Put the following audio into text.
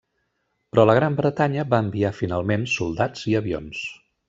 Però la Gran Bretanya va enviar finalment soldats i avions.